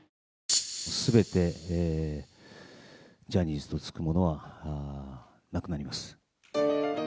すべて、ジャニーズと付くものはなくなります。